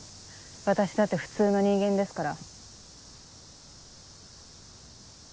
私だって普通の人間ですから。